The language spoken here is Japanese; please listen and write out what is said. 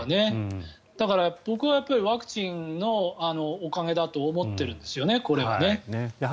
だから、僕はワクチンのおかげだと思っているんですよね。